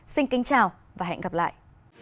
xin kính chào và hẹn gặp lại